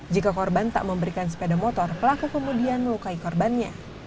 jika korban tak memberikan sepeda motor pelaku kemudian melukai korbannya